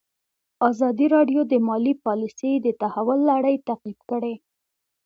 ازادي راډیو د مالي پالیسي د تحول لړۍ تعقیب کړې.